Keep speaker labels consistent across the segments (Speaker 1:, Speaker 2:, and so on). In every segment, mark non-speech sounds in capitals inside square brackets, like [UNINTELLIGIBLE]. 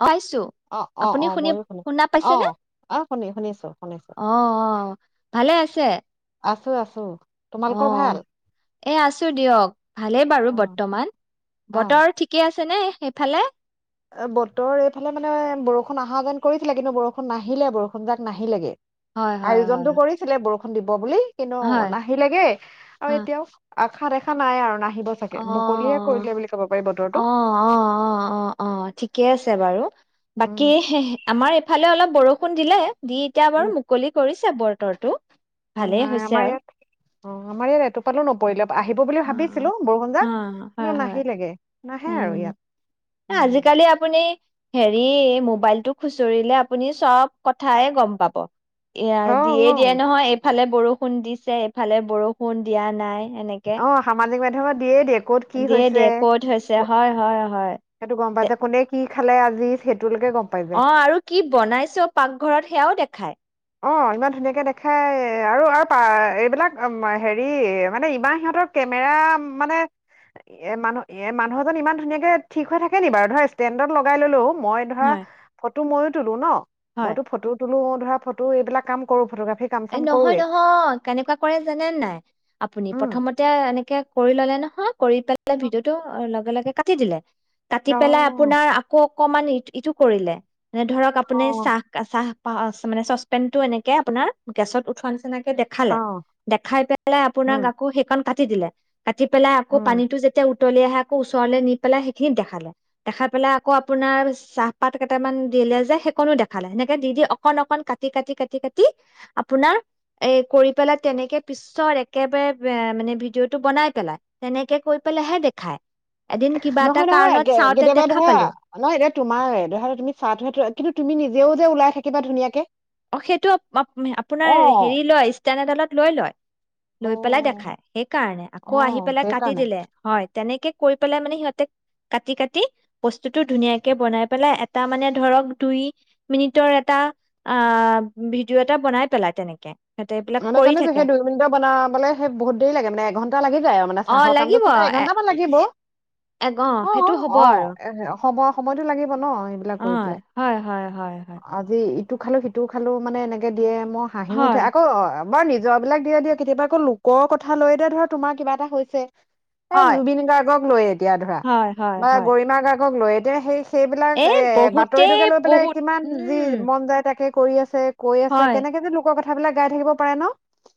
Speaker 1: অ' পাইছোঁ,
Speaker 2: অ অ
Speaker 1: আপুনি
Speaker 2: অ
Speaker 1: শুনি
Speaker 2: ময়ো শুনো
Speaker 1: শুনা
Speaker 2: অ
Speaker 1: পাইছেনে
Speaker 2: অ শুনি শুনিছো শুনিছো
Speaker 1: অ-অ-অ। ভালে আছে?
Speaker 2: আছোঁ-আছোঁ।
Speaker 1: অ' এ আছোঁ দিয়ক ভালেই বাৰু
Speaker 2: অ
Speaker 1: বৰ্তমান, বতৰ ঠিকে আছে নে? সেইফালে?
Speaker 2: বতৰ, এইফালে মানে বৰষুণ অহা যেন কৰিছিলে কিন্তু বৰষুণ নাহিলে বৰষুণ যাক নাহিলে গে।
Speaker 1: হয় হয় হয়
Speaker 2: আয়োজনতটো কৰিছিলে বৰষুণ দিব বুলি [UNINTELLIGIBLE]
Speaker 1: হয়
Speaker 2: নাহিলেগে আৰু এতিয়াও আখা দেখা নাই আৰু নাই।
Speaker 1: অ',
Speaker 2: বতৰটো
Speaker 1: অ', অ', অ', অ', অ', অ', অ'। অ ঠিকে আছে, বাৰু
Speaker 2: উম
Speaker 1: বাকী আমাৰ ফালে অলপ বৰষুণ দিলে দি এতিয়া
Speaker 2: উম
Speaker 1: বাৰু মুকলি কৰিছ [UNINTELLIGIBLE] বতৰটো
Speaker 2: অ
Speaker 1: ভালেই
Speaker 2: নাই,
Speaker 1: হৈছে
Speaker 2: আমাৰ
Speaker 1: আৰু
Speaker 2: ইয়াত অ আমাৰ ইয়াত এটোপালো নপৰিলে, আহিব বুলি
Speaker 1: অ
Speaker 2: ভাবিছিলো ব [UNINTELLIGIBLE] কিন্তু নাহিলেগে। নাহে
Speaker 1: উ
Speaker 2: আৰু ইয়াত উম
Speaker 1: এআজিকালি আপুনি হেৰি, মোবাইলটো খুচৰিলে আপুনি চব কথাই গম পাব। এয়া
Speaker 2: অ
Speaker 1: দিয়ে
Speaker 2: অ
Speaker 1: দিয়ে নহয় ইফালে বৰষুণ দিছে, এফালে বৰষুণ দিয়া নাই। এনেকে।
Speaker 2: অ সামাজিক মাধ্যমত দিয়েই দিয়ে, ক'ত কি হৈছে। ক-
Speaker 1: হয়-হয়-হয়।
Speaker 2: সেইটো গম পাই যে, কোনে কি কি খালে, আজি সেইটো
Speaker 1: অ আৰু কি বনাইছ পাকঘৰত সেয়াও দেখাই।
Speaker 2: অ ইমান ধুনীয়াকে দেখাই, আৰু-আৰু পা এইবিলাক হেৰি মানে ইমান সিহঁতৰ কেমেৰা মানে এ মানুহ এ মানুহজন ইমান ধুনীয়াকে ঠিক হৈ থাকে নি বাৰু ধৰা ষ্টেণ্ডত লগাই ল'লেও মই ধৰা
Speaker 1: হয়
Speaker 2: [UNINTELLIGIBLE] [UNINTELLIGIBLE] ময়ো তোলো ন।
Speaker 1: হয়।
Speaker 2: মইতো ফটো তোলো [UNINTELLIGIBLE] তটো এইবিলাক কাম কৰোঁ, ফটোগ্ৰাফি
Speaker 1: এ নহয়-নহয় কেনেকুৱা কৰে যানে নাই আপুনি
Speaker 2: উম
Speaker 1: প্ৰথমতে এনেকে কৰি ল'লে নহ কৰি পেলাইে ভিডিঅ'টো লগে-লগে কাটি দিলে। কাটি
Speaker 2: অ
Speaker 1: পেলাই আপোনাৰ আকৌ [UNINTELLIGIBLE] ইটো-ইটো কৰিলে। মানে ধৰক,
Speaker 2: অ
Speaker 1: আপুনি চাহ-চাহ অ-অ মানে চচপেন টো এনেকে আপোনাৰ গেছত উঠোৱা নিছিনা
Speaker 2: অ
Speaker 1: দেখালে, দেখাই পেলাই আপোনাক
Speaker 2: উম
Speaker 1: আকৌ সেইকন কাট [UNINTELLIGIBLE] দিলে। কাটি পেলাই, আকৌ
Speaker 2: উম
Speaker 1: পানীটো যেতিয়া উতলি আহে আকৌ ওচৰলে নি পেলাই সেইখিনি দেখালে, দেখাই পেলাই আকৌ আপোনাৰ চাহপাত কেইটামান দিলে যে সেইকণো দেখালে সেনেকে দি দি অকন অকণ কাটি, কাটি, কাটি, কাটি আপোনাৰ এ কৰি পেলাই তেনেকে পিছত একেবাৰে মানে ভিডিঅ'টো বনাই পেলাই, তেনেকে কৈ পেলাইহে দেখায়। এদিন কিবা এটা
Speaker 2: নহয়, নহয়
Speaker 1: কাৰণত চাওঁতে
Speaker 2: কেতিয়াবা
Speaker 1: দেখা
Speaker 2: ধৰা
Speaker 1: পালো
Speaker 2: নহ এতিয়া তোমাৰ ধৰা তুমি চাহটোহে কিন্তু তুমি নিজেও যে ওলাই থাকিবা ধুনীয়াকে।
Speaker 1: অ', সেইটো
Speaker 2: অ
Speaker 1: আপোনাৰ হেৰি লয় ইষ্টেন এডালত লৈ লয়।
Speaker 2: অ
Speaker 1: লৈ পেলাই দেখাই সেইকাৰণে
Speaker 2: অ
Speaker 1: আকৌ আহি পেলাই কাটি
Speaker 2: সেইকাৰণে
Speaker 1: দিলে হয়। তেনেকে কৰি পেলাই মানে সিহঁতে কাটি, কাটি বস্তুটো ধুনীয়াকে বনাই পেলাই এটা মানে ধৰক দুই মিনিটৰ এটা অ', ভিডিঅ' এটা বনাই পেলাই তেনেকে। সিহঁতে এইবিলাক
Speaker 2: মানে
Speaker 1: কৰি
Speaker 2: জানিছো
Speaker 1: থাকে
Speaker 2: সেই দুই মিনিটৰ বনাবলে সেই বহুত দেৰি লাগে মানে এঘন্টা লাগি যায় আৰু মানে
Speaker 1: অ
Speaker 2: চাহৰ
Speaker 1: লাগিব
Speaker 2: কামটোত থাগে
Speaker 1: এ
Speaker 2: এঘন্টামান লাগিব অ',
Speaker 1: সেইটো হ'ব
Speaker 2: অ',
Speaker 1: আৰু
Speaker 2: সময়-সময়তো লাগিব ন' সেইবিলাক কৰি
Speaker 1: হয়,
Speaker 2: পেলাই
Speaker 1: হয়, হয়, হয়, হয়।
Speaker 2: আজি। ইটো খালো, সিটো খালো, মানে এনেকে দিয়ে মই হাঁহি উঠে।
Speaker 1: হয়।
Speaker 2: বাৰ নিজৰ বিলাক দিয়ে দিয়ক কেতিয়াবা আকৌ লোকৰ কথা লৈ ধৰা তোমাৰ কিবা এটা হৈছে। এই
Speaker 1: হয়।
Speaker 2: জুবিন গাৰ্গক লৈ এতিয়া ধৰা
Speaker 1: হয়, হয়,
Speaker 2: বা
Speaker 1: হয়।
Speaker 2: গৰিমা গাৰ্গ। লৈ এ দিয়া সেই। সেইবিলাক এ
Speaker 1: বহুতেই
Speaker 2: বাতৰিটোকে লৈ পেলাই
Speaker 1: বহুত
Speaker 2: কিমান যি
Speaker 1: উম,
Speaker 2: মন যায় তাকে। কৰি আছে। কৈ আছে
Speaker 1: হয়।
Speaker 2: কেনেকে যে লোকক। সেইবিলাক। গাই থাকিব পাৰে ন।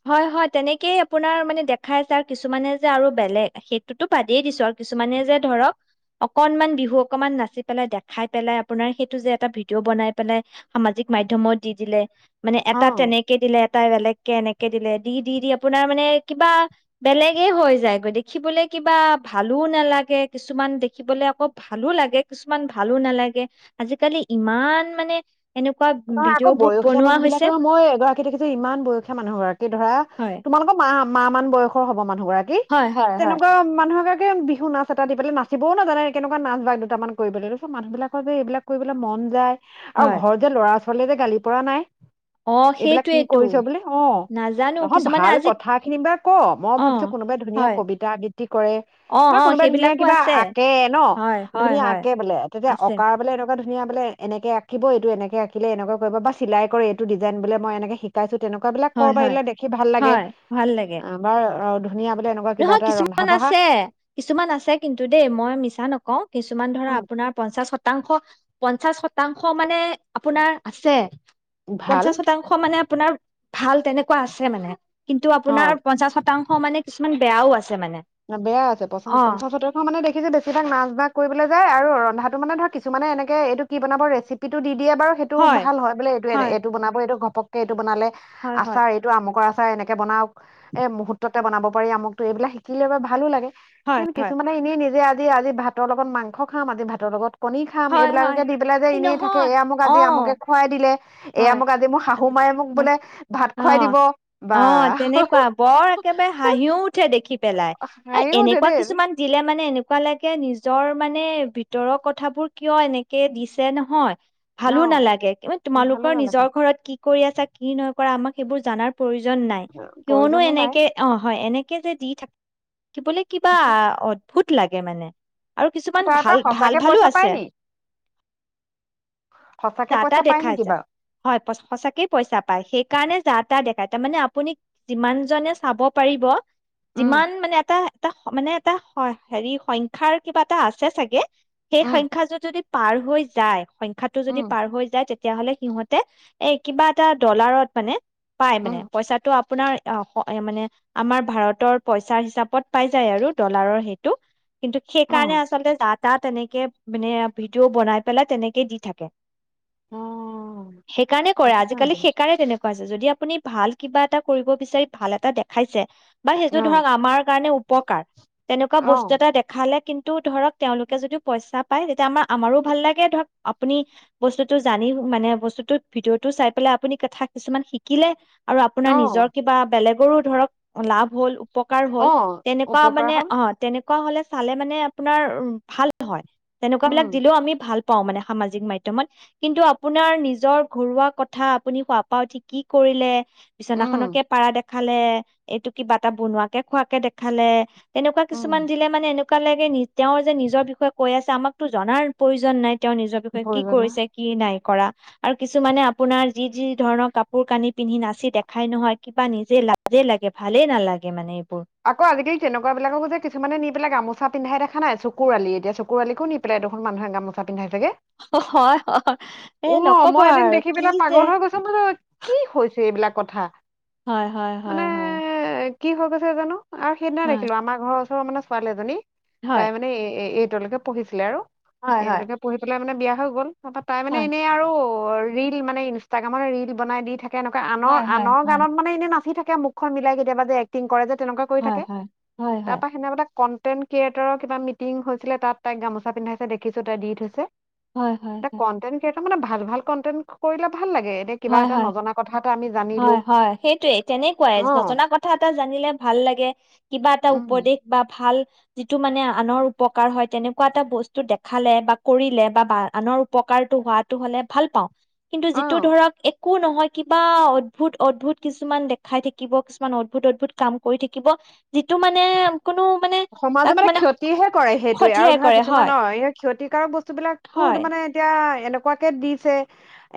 Speaker 1: হয় হয় তেনেকেই আপোনাৰ মানে দেখাই আছে আৰু কিছুমানে যে আৰু বেলেগ সেইটোতো বাদেই দিছো আৰু কিছুমানে যে ধৰক অকনমান বিহু অকমান নাচি পেলাই দেখাই পেলাই আপোনাৰ সেইটো যে এটা ভিডিঅ' বনাই পেলাই সামাজিক মাধ্যমত দি দিলে। মানে
Speaker 2: অ
Speaker 1: এটা তেনেকে দিলে এটাই বেলেগ। কেনেকে। দিলে দি দি দি আপোনাৰ মানে কিবা বেলেগে হৈ যায়গৈ দেখিবলে কিবা ভালো নালাগে কিছুমান দেখিবলে আকৌ ভালো লাগে কিছুমান ভালো নালাগে আজিকালি ইমান মানে। এনেকুৱা
Speaker 2: নহয় আকৌ
Speaker 1: ভিডিঅ' বোৰ
Speaker 2: বয়সীয়া
Speaker 1: বনোৱা
Speaker 2: মানুহ
Speaker 1: হৈছে
Speaker 2: বিলাকেও মই এগৰাকী দেখিছো ইমান বয়সীয়া মানুহ গৰাকী। এই ধৰা
Speaker 1: হয়
Speaker 2: তোমালোকৰ মা। মা মান বয়সৰ হ'ব মানে। মানুহ গৰাকী
Speaker 1: হয় হয় হয়
Speaker 2: তেনেকুৱা মানুহক। বিহু নাচ এটা দি পেলাই নাচিবও নাজানে কেনেকুৱা নাচ বাগ দুটামান কৰিবলৈ তাৰপিছত মানুহ বিলাকৰ যে এইবিলাক কৰিবলৈ মন যায়।
Speaker 1: হয়
Speaker 2: আৰু ঘৰ যে ল'ৰা। পাছলে যে গালি পৰা নাই।
Speaker 1: অঁ
Speaker 2: এইবিলাক কি
Speaker 1: সেইটোৱেতো
Speaker 2: কৰিছ বোলে অ
Speaker 1: নাজানো
Speaker 2: নহয়
Speaker 1: কিছুমানে
Speaker 2: ভাল
Speaker 1: আজি
Speaker 2: কথা খিনি বা ক মই
Speaker 1: অঁ
Speaker 2: ভাবিছো কোনোবাই ধুনীয়া
Speaker 1: হয়
Speaker 2: কবিতা আবৃত্তি কৰে
Speaker 1: অঁ
Speaker 2: বা
Speaker 1: অঁ
Speaker 2: কোনোবাই ধুনীয়া
Speaker 1: সেইবিলাকো
Speaker 2: কিবা
Speaker 1: আছে
Speaker 2: আঁকে ন
Speaker 1: হয় হয়
Speaker 2: ধুনীয়া
Speaker 1: হয়
Speaker 2: আঁকে বোলে তেতিয়া
Speaker 1: আছে
Speaker 2: অকাৰ বোলে। ধুনীয়া বোলে এনেকে আঁকিব এইটো এনেকে আঁকিব। শিকিলে এনেকুৱা কৰিব বা চিলাই কৰে এইটো ডিজাইন বুলে মই এনেকৈ শিকাইছোঁ। তেনেকুৱা বিলাক কৰ
Speaker 1: হয় হয়
Speaker 2: পাৰিলে দেখি ভাল লাগে
Speaker 1: হয় ভাল লাগে
Speaker 2: আমাৰ।
Speaker 1: নহয় কিছুমান আছে কিছুমান আছে কিন্তু দেই মই মিছা নকওঁ কিছু কিছুমান ধৰা
Speaker 2: উম,
Speaker 1: আপোনাৰ পঞ্চাশত শতাংশ পঞ্চাশ শতাংশ মানে আপোনাৰ আছে
Speaker 2: ভাল
Speaker 1: পঞ্চাশ শতাংশ মানে আপোনাৰ ভাল তেনেকুৱা আছে মানে কিন্তু আপোনাৰ
Speaker 2: অ
Speaker 1: পঞ্চাশ শতাংশ, অ মানে কিছুমান বেয়াও আছে। মানে
Speaker 2: বেয়া আছে পঞ্চা
Speaker 1: অঁ
Speaker 2: পঞ্চাচ শতাংশ মানে দেখিছে বেছিভাগ নাচ বাগ কৰিবলৈ আৰু ৰন্ধাটো মানে ধৰক কিছুমানে এনেকে এইটো কি বনাব ৰেচিপিটো দি, দিয়ে বাৰু সেইটো ভাল হয় বোলে এইটো
Speaker 1: হয়
Speaker 2: এইটো বনাব এইটো ঘ পকে এইটোবনালে
Speaker 1: হয় হয়
Speaker 2: আচাৰ এইটো আমুকৰ আচাৰ। তাই এনেকে বনাও এই মুহুৰ্ততে বনাব পাৰি আমোকটো এইবিলাক শিক কিলে বা ভালো লাগে
Speaker 1: হয়
Speaker 2: কিন্ত
Speaker 1: হয়
Speaker 2: কিছুমানে এনেই নিজে আজ আজি ভাতৰ লগত মাংস খাম আজি ভাতৰ লগত কণনি খাম
Speaker 1: হয় হয়
Speaker 2: এইবিলাককে দি পেলাই যে
Speaker 1: এই
Speaker 2: এনেই থাকে
Speaker 1: নহয়
Speaker 2: এই মোক
Speaker 1: অ
Speaker 2: আজি আমুকে খুৱাই দিলে এয়া
Speaker 1: হয়
Speaker 2: মোক আজি মোৰ শাহু
Speaker 1: আচ্ছা,
Speaker 2: মায়ে মোক
Speaker 1: হয়,
Speaker 2: বোলে ভাত
Speaker 1: অ
Speaker 2: খুৱাই দিব
Speaker 1: অ
Speaker 2: বা
Speaker 1: তেনেকুৱা বৰ একেবাৰে হাঁহিও উঠে পেলাই আৰু
Speaker 2: হাঁহিও উঠে
Speaker 1: এনেকুৱা
Speaker 2: দেই
Speaker 1: কিছুমান দিলে মানে এনেকুৱা লাগে নিজৰ। মানে ভিতৰৰ কথাবোৰ কিয় এনেকে দিছে নহয়।
Speaker 2: অ
Speaker 1: ভালো নালাগে কিবা।
Speaker 2: ভালো
Speaker 1: তোমালোকৰ
Speaker 2: নালাগে
Speaker 1: নিজৰ ঘৰত কি? কি কৰি আছা কি নাই কৰা আমাক সেইবোৰ জানাৰ। প্ৰয়োজন নাই কিয়নো
Speaker 2: প্ৰয়োজনো নাই
Speaker 1: এনেকে অ' হয় এনে। যে দি থাকো। কি বোলে কিবা অদ সোত লাগে মানে, আৰু কিছুমান
Speaker 2: তাৰ পৰা
Speaker 1: ভাল ভাল
Speaker 2: সঁচাকে
Speaker 1: ভালো
Speaker 2: পইচা পাই
Speaker 1: আছে।
Speaker 2: নি সঁচাকে
Speaker 1: যাতাহ
Speaker 2: পইচা পাই নেকি
Speaker 1: দেখাইছা
Speaker 2: বাৰু
Speaker 1: হয় সঁচাকেই পইচা পায় সেইকাৰণে, যা টা দেখাই তাৰমানে আপুনি যিমান জনে চাব পাৰিব।
Speaker 2: উম
Speaker 1: যিমান মানে এটা এটা, মানে এটা হেৰি সংখ্যৰ কিবা এটা আছে চাগে। সেই
Speaker 2: উম
Speaker 1: সংখ্যটো যদি পাৰ হৈ যায়। যায় সংখ্যা। ভাষাটো যদি।
Speaker 2: উম
Speaker 1: পাৰ হৈ যায় তেতিয়া হ'লে সিহঁতে। এই কিবা এটা ডলাৰত মানে। পাই মানে।
Speaker 2: উম
Speaker 1: পইচাটো আপোনাৰ অহ মানে আমাৰ ভাৰতৰ পইচাৰ হিচাপত পাই যায় আৰু ডলাৰৰ সেইটো। কিন্তু
Speaker 2: অ
Speaker 1: সেইকাৰণে আচলতে যাতা তেনেকে। তেনেকে মানে ভিডিঅ' বনাই পেলাই তেনেকে দি থাকে।
Speaker 2: অ
Speaker 1: সেইকাৰণে কৰে।
Speaker 2: সেইটো
Speaker 1: আজিকালি
Speaker 2: কাৰণেটো
Speaker 1: সেইকাৰণে তেনেকুৱা। যদি আপুনি ভাল কিবা এটা কৰিব বিচাৰি ভাল কিবা এটা দেখাইছে। বা সেইটো
Speaker 2: অ
Speaker 1: ধৰক আমাৰ কাৰণে উপকাৰ। তেনেকুৱা
Speaker 2: অ
Speaker 1: বস্তু এটা দেখালে কিন্তু। সেইটো ধৰক তেওঁলোকে যদিও পইচা পায় তেতিয়া আমাৰ ভাল লাগে ধৰক। আপুনি বস্তুটো জানি মানে বস্তুটো ভিডিঅ'টো চাই পেলাই আপুনি কথা কিছুমান শিকিলে। আৰু আপোনাৰ
Speaker 2: অ
Speaker 1: নিজৰ কিবা বেলেগ। আপোনাৰ ধৰক লাভ হ'ল। উপকাৰ হ'ল।
Speaker 2: অ
Speaker 1: তেনেকুৱা
Speaker 2: উপকাৰ
Speaker 1: মানে
Speaker 2: হ'ল
Speaker 1: অহ, তেনে এনেকুৱা হলে চালে মানে আপোনাৰ ভাল হয়।
Speaker 2: উম
Speaker 1: তেনেকুৱাবিলাক দিলও আমি ভাল। পাওঁ মানে সামাজিক মাধ্যমত। কিন্তু আপোনাৰ নিজৰ ঘৰুৱা কথা আপুনি শোৱাৰ পৰা উঠি কি কৰিলে।
Speaker 2: উম
Speaker 1: বিছনাখনকে পাৰা দেখালে। দেখালে এইটো কিবা এটা বনোৱাকে খোৱাকে দেখালে। এনেকুৱা কিছু
Speaker 2: উম
Speaker 1: দিলে মানে। এনেকে তেওঁ যে নিজৰ বিষয়ে কৈ আছে আমাকতো জনাৰ প্ৰয়োজন নাই। তেওঁ নিজৰ বিষয়ে। কি
Speaker 2: প্ৰয়োজনৰ
Speaker 1: কৰিছে কি নাই। ধৰা আৰু কিছুমানে আপোনাৰ যি যি ধৰণৰ কাপোৰ কানি পিন্ধি নাচি দেখাই নহয়। কিবা নিজে লাজে লাগে ভালেই নালাগে মানে। এইবোৰ
Speaker 2: আকৌ আজিকালি তেনেকুৱা বিলাককো যে কিছুমানে নি পিলাক গামোচা। পিন্ধাই দেখা নাই। চকুৰ আলি এতিয়া চকুৰ আলি নি পেলাই দুখুন মানুহে গামোচা। পিন্ধাই থাকে।
Speaker 1: হয় হয় এ
Speaker 2: অহ
Speaker 1: নকব
Speaker 2: মই এদিন
Speaker 1: আৰু
Speaker 2: দেখি
Speaker 1: কি
Speaker 2: পেলাই
Speaker 1: যে
Speaker 2: পাগল হৈ গৈছো। কি হৈছে এইবিলাক। কথা মানে
Speaker 1: হয়-হয়-হয়-হয়।
Speaker 2: কি। [UNINTELLIGIBLE] [UNINTELLIGIBLE] জানো? আৰু সেইদিনা দেখিলোঁ আমাৰ ঘৰৰ ও অ', মানে ছোৱালী এজনী তাই
Speaker 1: হয়
Speaker 2: মানে এ-এ এইট [UNINTELLIGIBLE] পঢ়িছিলে আৰু
Speaker 1: হয় হয়
Speaker 2: [UNINTELLIGIBLE] পঢ়ি পেলাই মানে বিয়া হৈ গ'ল। [UNINTELLIGIBLE] তাই মানে
Speaker 1: হয়
Speaker 2: এনেই আৰু অ ৰিল মানে ইনষ্টাগ্ৰামৰ ৰিল বনাই দি থাক কেনেকুৱা
Speaker 1: হয় হয়
Speaker 2: আনৰ-আনৰ
Speaker 1: হয়
Speaker 2: গানত মানে এনেই নাচি থাকে। মুখখন মিলাই কেতিয়াবা যে এক্টিং কৰে যে। তেনেকুৱা কৰি
Speaker 1: হয়
Speaker 2: থাকে
Speaker 1: হয় হয় হয়
Speaker 2: তাৰ পৰা [UNINTELLIGIBLE] কন। কণ্টেণ্ট ক্ৰিয়েটৰৰ কিবা মিটিং হৈছিলে তাত তাইক গামোচা পিন্ধাইছে দেখিছোঁ তাই দি থৈছে। এতিয়া
Speaker 1: হয়-হয়-হয়।
Speaker 2: কন্টেন্ট ক্ৰিয়েটৰ মানে ভাল-ভাল কণ্টেন্ট কৰিলে ভা জানিলো
Speaker 1: হয়-হয়-হয়-হয় সেইটোৱে তেনেকুৱাই
Speaker 2: অ
Speaker 1: নজনা কথা এটা জানিলে ভাল লাগে। কিবা এটা
Speaker 2: উম
Speaker 1: উপদেশ বা ভাল যিটো মানে আনৰ উপকাৰ হয় তেনেকুৱা এটা বস্তু দেখালে বা কৰিলে বা আনৰ উপকাৰটো হোৱাটো হ'লে ভাল পাওঁ। কিন্তু যিটো
Speaker 2: অ
Speaker 1: ধৰক। একো নহয় কিবা অদ্ভুত-অদ্ভুত কিছুমান দেখাই থাকিব কিছুমান অদ্ভুত-অদ্ভুত কাম কৰি থাকিব যিটো মানে কোনো মানে
Speaker 2: সমাজে
Speaker 1: তাক
Speaker 2: মানে ক্ষতিহে কৰে সেইটোৱে আৰু
Speaker 1: খথিয়াই
Speaker 2: ধৰা
Speaker 1: কৰে হয়
Speaker 2: কিছুমান অ ক্ষতিকাৰক বস্তুবিলাকো
Speaker 1: হয়
Speaker 2: মানে এতিয়া এনেকুৱাকে দিছে,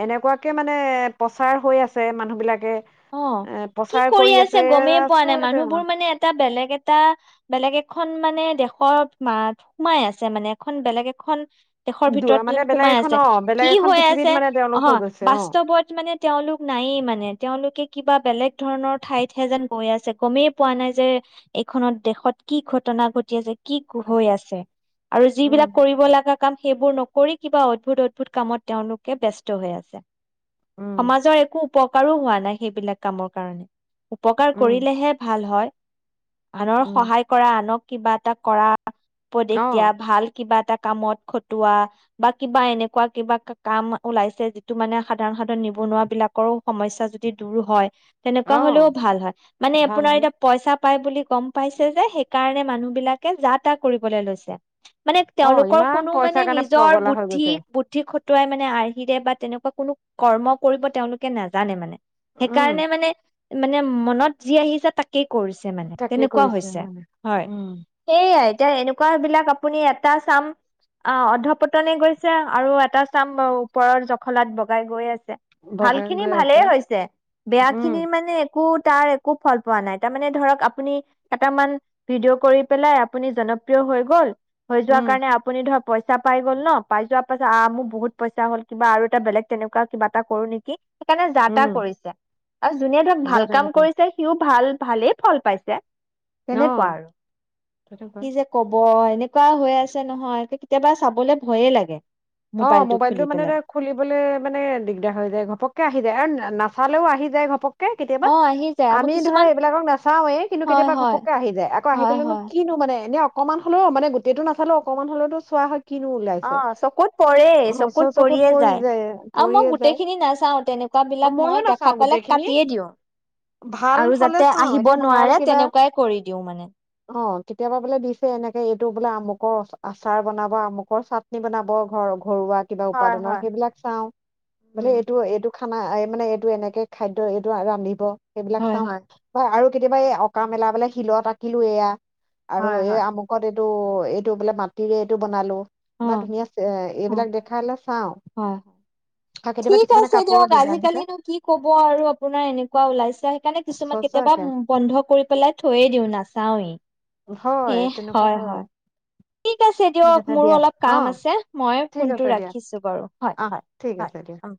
Speaker 2: এনেকুৱাকে মানে প্ৰচাৰ হৈ আছে মানুহবিলাক
Speaker 1: অ, কি কৰি আছে গমেই পোৱা নাই, মানুহবোৰ
Speaker 2: আচৰিত
Speaker 1: মানে এটা বেলেগ এটা বেলেগ এখন মানে দেশৰ মা সোমাই আছে মানে, এখন বেলেগ এখন দেশৰ
Speaker 2: দু-
Speaker 1: ভিতৰত
Speaker 2: মানে
Speaker 1: যেন
Speaker 2: বেলেগ
Speaker 1: সোমাই
Speaker 2: এখন
Speaker 1: আছে
Speaker 2: অ বেলেগ
Speaker 1: কি
Speaker 2: এখন
Speaker 1: হৈ
Speaker 2: পৃথিৱীত
Speaker 1: আছে
Speaker 2: মানে তেওঁলোক
Speaker 1: অ,
Speaker 2: হৈ গৈছে অ
Speaker 1: বাস্তৱত মানে তেওঁলোক নায়েই মানে। কিবা বেলেগ ধৰণৰ ঠাইতহে যেন গৈ আছে গমেই পোৱা নাই যে এইখনত দেশত কি ঘটনা ঘটি আছে। কি হৈ আছে আৰু যিবিলাক
Speaker 2: উম
Speaker 1: কৰিব লাগে [UNINTELLIGIBLE] সেইবোৰ নকৰি কিবা অদ্ভুত-অদ্ভুত কামত তেওঁলোকে ব্যস্ত হৈ আছে।
Speaker 2: উম
Speaker 1: সমাজৰ একো। [UNINTELLIGIBLE] হোৱা নাই, সেইবিলাক কামৰ কাৰণে। উপকাৰ
Speaker 2: উম
Speaker 1: কৰিলেহে ভাল হয়। আনৰ
Speaker 2: উম
Speaker 1: সহায় কৰা আনক কিবা এটা কৰা উপদেশ
Speaker 2: অ
Speaker 1: দিয়া ভাল কিবা এটা কামত খটোৱা বা কিবা এনেকুৱা কিবা কাম ওলাইছে যিটো মানে সাধাৰণ সাধাৰণ নিবনুৱা বিলাকৰো সমস্যা যি দূৰ হয়। তেনেকুৱা
Speaker 2: অ
Speaker 1: হ'লেও ভাল হয়, মানে
Speaker 2: ভাল
Speaker 1: আপোনাৰ
Speaker 2: হয়
Speaker 1: এতিয়া পইচা পাই বুলি গম পাইছে যে সেইকাৰণে মানুহ বিলাকে যা তা কৰিবলৈ লৈছে। মানে
Speaker 2: অ
Speaker 1: তেওঁলোকৰ
Speaker 2: ইমান
Speaker 1: কোনো মানে
Speaker 2: পইচাৰ কাৰণে
Speaker 1: নিজৰ
Speaker 2: পগলা হৈ গৈছে
Speaker 1: বুদ্ধিক বুদ্ধি খ টোৱাই মানে আৰ্হিৰে বা তেনেকুৱা কোনো কৰ্ম কৰিব তেওঁলোকে নাজানে মানে!
Speaker 2: উম
Speaker 1: সেইকাৰণে মানে মানে মনত যি আহিছে তাকেই কৰিছে মানে
Speaker 2: তাকে
Speaker 1: তেনেকুৱা
Speaker 2: কৰিছে
Speaker 1: হৈছে
Speaker 2: মানে
Speaker 1: হয়,
Speaker 2: উম
Speaker 1: সেইয়াই এতিয়া এনেকুৱা বিলাক আপুনি এটা চাম অ', অৰ্ধপতনে গৈছে আৰু এটা চাম ও-ওপৰৰ জখলাত বগাই গৈ আছে। ভাল
Speaker 2: বগাই
Speaker 1: খিনি
Speaker 2: গৈ আছে
Speaker 1: ভালেই হৈছ বেয়া
Speaker 2: উম
Speaker 1: খিনিৰ মানে এ সু তাৰ একো ফল পোৱা নাই, তাৰ মানে ধৰক আপুনি কেইটামান ভিডিঅ' কৰি পেলাই আপুনি জনপ্ৰিয় হৈ গ'ল হৈ যোৱা
Speaker 2: উম
Speaker 1: কাৰণে আপুনি ধৰক পইচা পাই গ'ল ন! পাই যোৱাৰ পাছত আ [UNINTELLIGIBLE] মোৰ বহুত পইচা হ'ল কিবা আৰু এটা বেলেগ তেনেকুৱা কিবা এটা কৰো নেকি! সেইকাৰণে এটা
Speaker 2: উম
Speaker 1: কৰিছে আৰু যোনে ধৰক ভাল
Speaker 2: যাতে
Speaker 1: কাম
Speaker 2: তাতে
Speaker 1: কৰিছে সিও ভাল ভালেই ফল পাইছে।
Speaker 2: অ
Speaker 1: কেনেকুৱা আৰু
Speaker 2: তেনেকুৱা
Speaker 1: কি যে কব এনেকুৱা হৈ আছে নহয়, একে কেতিয়াবা চাবলে ভয়ে লাগে
Speaker 2: অ মোবাইলটো
Speaker 1: খুলি
Speaker 2: মানে
Speaker 1: পেলাই।
Speaker 2: এ খুলিবলৈ মানে দিগদাৰ হৈ যায় ঘপককে আহি যায় আৰু নাচালেও আহি যায় ঘপক কে কেতিয়াবা
Speaker 1: অ আহি যায় আমাৰ
Speaker 2: আমি ধৰা
Speaker 1: কিছুমান
Speaker 2: এইবিলাকক নাচাওঁয়েই কিন্তু
Speaker 1: হয়
Speaker 2: কেতিয়াবা
Speaker 1: হয়
Speaker 2: ঘপককে আহি যায়, আকৌ আহি
Speaker 1: হয়
Speaker 2: গ'লেনো
Speaker 1: হয়।
Speaker 2: কিনো মানে এনে অকণমান হ'লেও মানে গোটেইটো নাচালেও অকণমান হ'লেতো চোৱা হয় কিনো
Speaker 1: অ
Speaker 2: ওলাইছে।
Speaker 1: চকুত পৰেই
Speaker 2: অ
Speaker 1: চকুত
Speaker 2: ওচৰ
Speaker 1: পৰিয়ে
Speaker 2: পৰি
Speaker 1: যায় আৰু মই
Speaker 2: পৰিয়ে
Speaker 1: গোটেই
Speaker 2: যায়
Speaker 1: খিনি নাচাওঁ, তেনেকুৱা
Speaker 2: অ
Speaker 1: বিলাক
Speaker 2: মইয়ো
Speaker 1: মই দেখা
Speaker 2: নাচাও
Speaker 1: পালে
Speaker 2: গোটেইখিনি
Speaker 1: কাটিয়ে দিওঁ
Speaker 2: ভাল
Speaker 1: আৰু
Speaker 2: হলে
Speaker 1: যাতে
Speaker 2: চাও
Speaker 1: আহিব
Speaker 2: এতিয়া ভাল
Speaker 1: নোৱাৰে
Speaker 2: কিবা
Speaker 1: তেনেকুৱাই কৰি দিওঁ মানে।
Speaker 2: অ কেতিয়াবা বোলে দিছে এনেকে এইটো বোলে আমুকৰ অ-আচাৰ বনাব, আমুকৰ চাটনি বনাব। হ [UNINTELLIGIBLE] ঘৰুৱা কিবা
Speaker 1: হয়
Speaker 2: উপাদানৰ
Speaker 1: হয়
Speaker 2: সেইবিলাক চাওঁ বোলে
Speaker 1: উম।
Speaker 2: এইটো এইটো খানা মানে এইটো এনেকে খাদ্যৰ এইটো [UNINTELLIGIBLE] ৰান্ধিব। সেইবিলাক চাওঁ হয় আৰু কেতিয়াবা এই অঁকা মেলা বোলে শিলত আঁকিলো এইয়া। আৰু
Speaker 1: হয়
Speaker 2: এই
Speaker 1: হয়
Speaker 2: আমুকত এ। এইটো এইটো বোলে মাটিৰে এইটো বনালো।
Speaker 1: অ
Speaker 2: কিবা ধুনীয়া। এ
Speaker 1: হয়
Speaker 2: এইবিলাক দেখালে চাওঁ
Speaker 1: হয়
Speaker 2: আৰু কেতিয়াবা
Speaker 1: ঠিক
Speaker 2: কিছুমানে
Speaker 1: আছে
Speaker 2: কাপোৰৰ
Speaker 1: দিয়ক
Speaker 2: ডিজাইন থাকে
Speaker 1: আজিকালো কি কব আৰু আপোনাৰ এনেকুৱা ওলাইছে সেইকাৰণে কিছুমান কেতিয়াবা
Speaker 2: সঁচাকে
Speaker 1: বন্ধ কৰি পেলাই থৈয়ে দিওঁ নাচাওৱেই।
Speaker 2: হয় তেনেকুৱা হয়।
Speaker 1: ঠিক আছে
Speaker 2: ঠিক
Speaker 1: দিয়ক
Speaker 2: আছে
Speaker 1: মোৰো
Speaker 2: দিয়া
Speaker 1: অলপ
Speaker 2: অ
Speaker 1: কাম আছে মই
Speaker 2: ঠিক
Speaker 1: ফোনটো
Speaker 2: আছে দিয়া
Speaker 1: ৰাখিছো বাৰু
Speaker 2: অ ঠিক আছে দিয়া
Speaker 1: হয়।